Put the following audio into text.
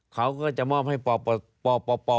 เขาก็จะมอบให้ปอปอปอปอ